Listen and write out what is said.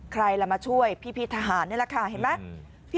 ใครล่ะมาช่วยพี่ทหารนี่แหละค่ะเห็นไหม